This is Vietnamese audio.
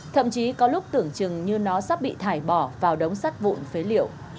thậm chí có lúc tưởng chừng như nó sắp bị thải bỏ vào đống sắt vụn phế liệu